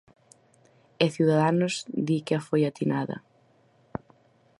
E Ciudadanos di que a foi atinada.